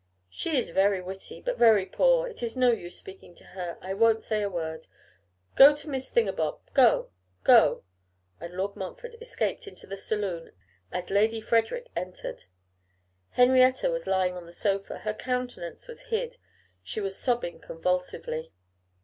'She is very witty, but very poor. It is no use speaking to her. I won't say a word. Go to Miss Thingabob: go, go.' And Lord Montfort escaped into the saloon as Lady Frederick entered. Henrietta was lying on the sofa, her countenance was hid, she was sobbing convulsively.